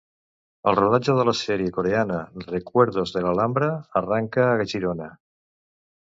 El rodatge de la sèrie coreana 'Recuerdos de la Alhambra'arrenca a Girona.